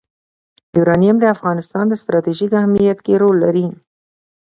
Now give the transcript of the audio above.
یورانیم د افغانستان په ستراتیژیک اهمیت کې رول لري.